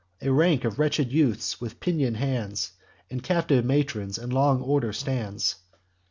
A rank of wretched youths, with pinion'd hands, And captive matrons, in long order stands.